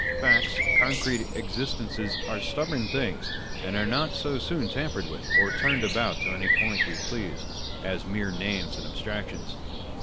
Facts, concrete existences, are stubborn things, and are not so soon tampered with or turned about to any point we please, as mere names and abstractions.